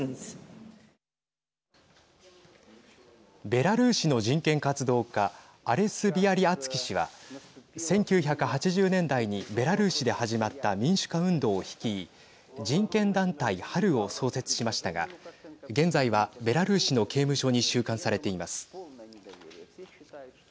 ベラルーシの人権活動家アレス・ビアリアツキ氏は１９８０年代にベラルーシで始まった民主化運動を率い人権団体、春を創設しましたが現在はベラルーシの刑務所に収監されています。